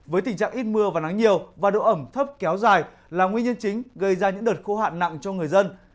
với tình trạng ít mưa và nắng nhiều và độ ẩm thấp kéo dài là nguyên nhân chính gây ra những đợt khô hạn nặng cho người dân